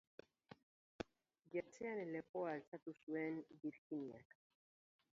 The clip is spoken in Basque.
Jertsearen lepoa altxatu zuen Virginiak.